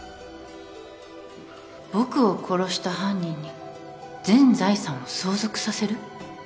僕を殺した犯人に全財産を相続させる？